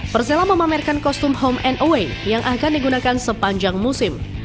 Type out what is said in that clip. persela memamerkan kostum home and away yang akan digunakan sepanjang musim